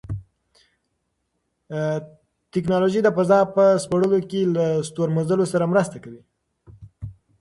تکنالوژي د فضا په سپړلو کې له ستورمزلو سره مرسته کوي.